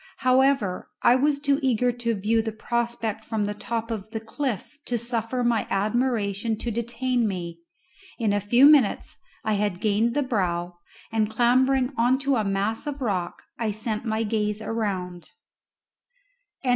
However, I was too eager to view the prospect from the top of the cliff to suffer my admiration to detain me; in a few minutes I had gained the brow, and, clambering on to a mass of rock, I sent my gaze around.